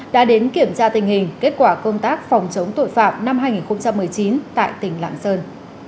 đã đến kiểm tra tình hình kết quả công tác phòng chống tội phạm năm hai nghìn một mươi chín tại tỉnh lạng sơn